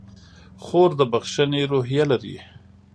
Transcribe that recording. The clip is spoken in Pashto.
خور د بښنې روحیه لري.